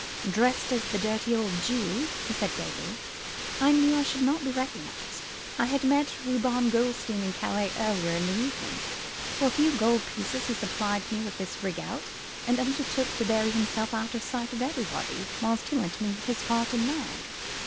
"Dressed as the dirty old Jew," he said gaily, "I knew I should not be recognised. I had met Reuben Goldstein in Calais earlier in the evening. For a few gold pieces he supplied me with this rig out, and undertook to bury himself out of sight of everybody, whilst he lent me his cart and nag."